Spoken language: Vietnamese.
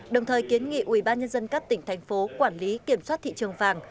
đồng thời kiến nghị ubnd các tỉnh thành phố quản lý kiểm soát thị trường vàng